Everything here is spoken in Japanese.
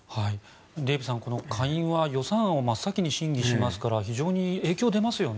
デーブさん下院は予算案を真っ先に審議しますから非常に影響が出ますよね。